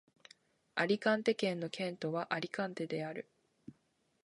アリカンテ県の県都はアリカンテである